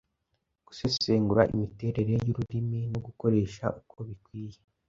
gusesengura imiterere y’ururimi no gukoresha uko bikwiye